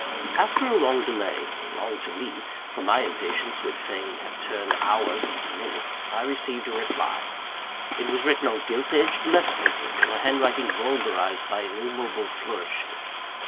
After a long delay long to me; for my impatience would fain have turned hours into minutes I received a reply. It was written on gilt edged letter paper, in a handwriting vulgarised by innumerable flourishes.